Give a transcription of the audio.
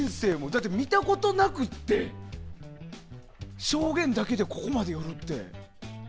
だって見たことなくって証言だけで、ここまで寄るって。